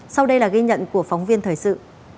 sau đây là ghi nhận của phóng viên thời sự